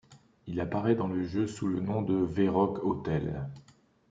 Il apparaît dans le jeu sous le nom de V-Rock Hotel.